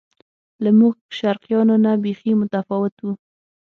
له موږ شرقیانو نه بیخي متفاوت و.